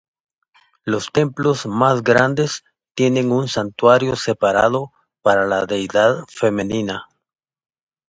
Los templos más grandes tienen un santuario separado para la deidad femenina.